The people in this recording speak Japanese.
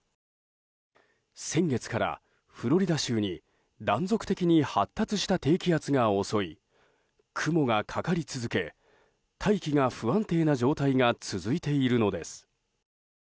先月からフロリダ州に断続的に発達した低気圧が襲い雲がかかり続け大気が不安定な状態が続いているのです。